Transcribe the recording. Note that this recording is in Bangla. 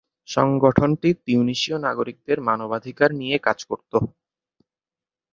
সংগঠনটি তিউনিসীয় নাগরিকদের মানবাধিকার নিয়ে কাজ করত।